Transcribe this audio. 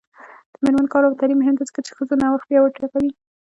د میرمنو کار او تعلیم مهم دی ځکه چې ښځو نوښت پیاوړتیا کوي.